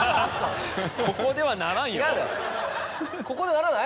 ここではならない？